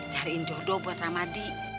cariin jodoh buat rahmadi